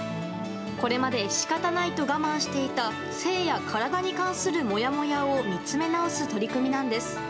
これまで仕方ないと我慢していた性や体に関するモヤモヤを見つめ直す取り組みなんです。